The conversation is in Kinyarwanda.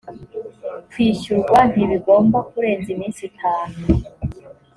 kwishyurwa ntibigomba kurenza iminsi itanu